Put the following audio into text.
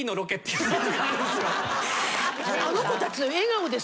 あの子たちの笑顔で。